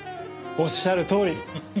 おっしゃるとおり。